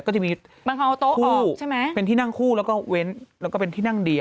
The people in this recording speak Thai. ก็จะมีคู่เป็นที่นั่งคู่แล้วก็เว้นแล้วก็เป็นที่นั่งเดียว